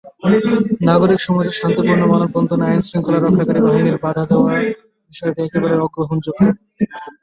নাগরিক সমাজের শান্তিপূর্ণ মানববন্ধনে আইনশৃঙ্খলা রক্ষাকারী বাহিনীর বাধা দেওয়ার বিষয়টি একেবারেই অগ্রহণযোগ্য।